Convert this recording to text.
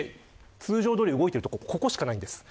通常どおり動いているところはここしかないんです。